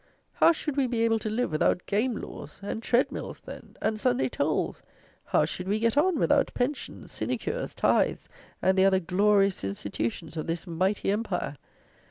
how should we be able to live without game laws! And tread mills, then? And Sunday tolls? How should we get on without pensions, sinecures, tithes, and the other "glorious institutions" of this "mighty empire"?